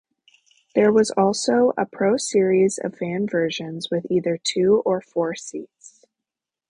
There was also a Pro-series of van versions with either two or four seats.